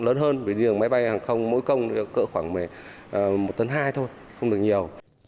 lớn hơn vì đường máy bay hàng không mỗi công cỡ khoảng một tấn hai thôi không được nhiều